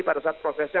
pada saat prosesnya